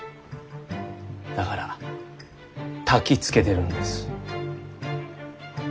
だからたきつけてるんです。